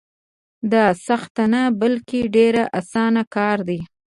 دا سخت نه بلکې ډېر اسان کار دی.